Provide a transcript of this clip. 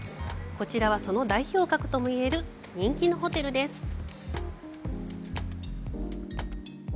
こちらは、その代表格ともいえる人気のホテルです。